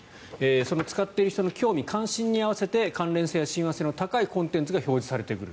その使っている人の興味・関心に合わせて関連性や親和性の高いコンテンツが非常されてくる。